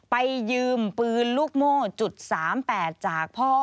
ไปยืมปืนลูกโม่จุดสามแปดจากพ่อ